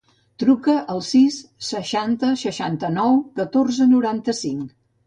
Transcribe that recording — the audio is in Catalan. Truca al sis, seixanta, seixanta-nou, catorze, noranta-cinc.